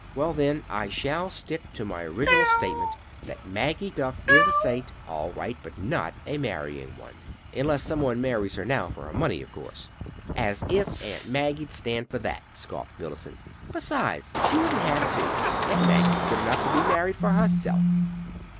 "Well, then, I shall stick to my original statement that Maggie Duff is a saint, all right, but not a marrying one—unless some one marries her now for her money, of course." "As if Aunt Maggie'd stand for that!" scoffed Mellicent. "Besides, she wouldn't have to! Aunt Maggie's good enough to be married for herself."